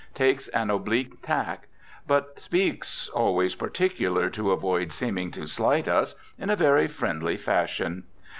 Takes an oblique tack. But speaks (always particular to avoid seeming to slight us) in a very friendly fashion.